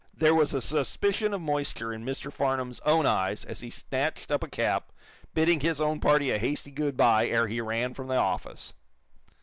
There was a suspicion of moisture in Mr. Farnum's own eyes as he snatched up a cap, bidding his own party a hasty good bye ere he ran from the office.